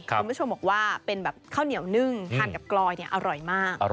คุณผู้ชมบอกว่าเป็นแบบข้าวเหนียวนึ่งทานกับกลอยอร่อยมาก